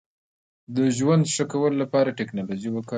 د ژوند ښه کولو لپاره ټکنالوژي وکاروئ.